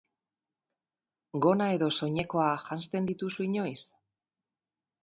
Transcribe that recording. Gona edo soinekoa janzten dituzu inoiz?